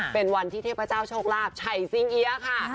เป็นวันที่เทพเจ้าโชคลาภชัยสิงเอี๊ยะค่ะ